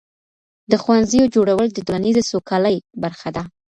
د ښوونځیو جوړول د ټولنیزې سوکالۍ برخه ده.